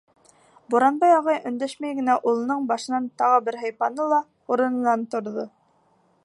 Буранбай ағай өндәшмәй генә улының башынан тағы бер һыйпаны ла урынынан торҙо.